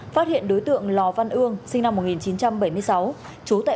phát hiện đối tượng lò văn ương sinh năm một nghìn chín trăm bảy mươi sáu